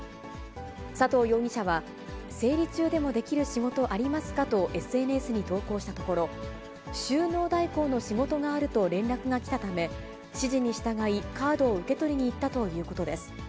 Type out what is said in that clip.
佐藤容疑者は、生理中でもできる仕事ありますかとＳＮＳに投稿したところ、収納代行の仕事があると連絡が来たため、指示に従い、カードを受け取りに行ったということです。